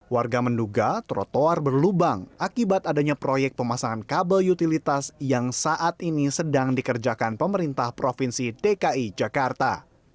warga menduga trotoar berlubang akibat adanya proyek pemasangan kabel utilitas yang saat ini sedang dikerjakan pemerintah provinsi dki jakarta